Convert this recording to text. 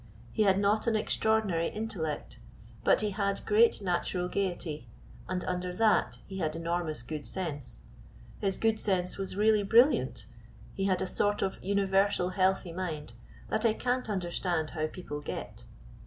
He had not an extraordinary intellect, but he had great natural gayety, and under that he had enormous good sense; his good sense was really brilliant, he had a sort of universal healthy mind that I can't understand how people get.